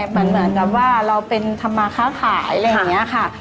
เหมือนกับว่าเราเป็นธรรมาค้าขายอะไรอย่างนี้ค่ะ